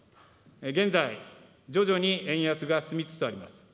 現在、徐々に円安が進みつつあります。